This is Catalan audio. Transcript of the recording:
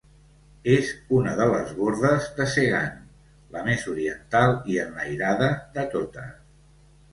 És una de les Bordes de Segan, la més oriental i enlairada de totes.